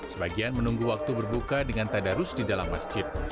sebagian menunggu waktu berbuka dengan tadarus di dalam masjid